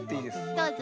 どうぞ。